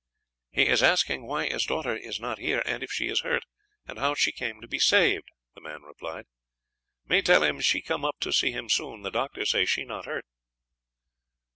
"He is asking why his daughter is not here, and if she is hurt, and how she came to be saved," the man replied. "Me tell him she come up to see him soon; the doctor say she no hurt."